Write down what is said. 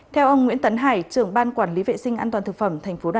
theo ông nguyễn tấn hải trưởng ban quản lý vệ sinh an toàn thực phẩm